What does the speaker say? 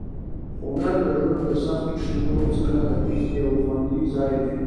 هنر د ژوند له سختو شېبو څخه د تېښتې یو خوندي ځای دی.